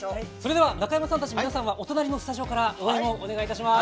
中山さんたち皆さんはお隣のスタジオから応援をお願いいたします。